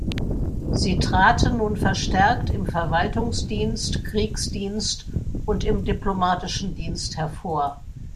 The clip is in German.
Sie traten nun verstärkt im Verwaltungsdienst, Kriegsdienst und im diplomatischen Dienst hervor.